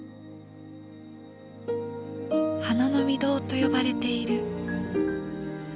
花の御堂と呼ばれている。